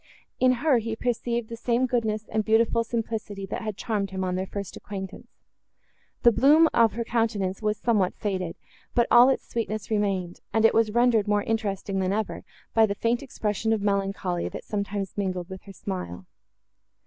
In her he perceived the same goodness and beautiful simplicity, that had charmed him, on their first acquaintance. The bloom of her countenance was somewhat faded, but all its sweetness remained, and it was rendered more interesting, than ever, by the faint expression of melancholy, that sometimes mingled with her smile.